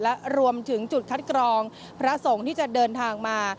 และรวมถึงจุดคัดกรองพระสงฆ์ที่จะเดินทางมา